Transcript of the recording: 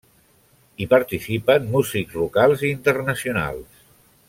Hi participen músics locals i internacionals.